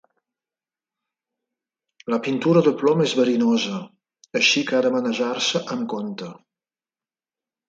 La pintura de plom és verinosa, així que ha de manejar-se amb compte.